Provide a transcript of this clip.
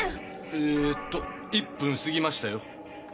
えーと１分過ぎましたよ。